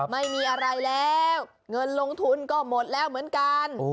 ไม่มีอะไรแล้วเงินลงทุนก็หมดแล้วเหมือนกัน